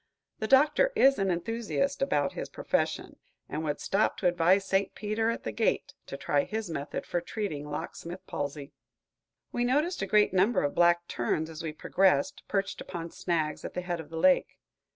The Doctor is an enthusiast in his profession, and would stop to advise St. Peter, at the gate, to try his method for treating locksmith palsy. We noticed a great number of black terns as we progressed, perched upon snags at the head of the lake.